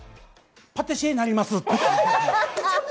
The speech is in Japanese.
パティシエになりますって。